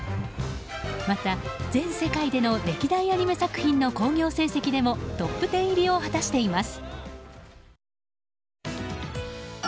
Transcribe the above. また全世界での歴代アニメ作品の興行成績でもトップ１０入りを果たしています。